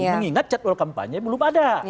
mengingat jadwal kampanye belum ada